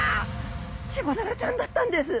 チゴダラちゃんだったんです。